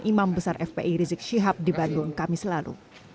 iman besar fpi rizik syihab di bandung kami selalu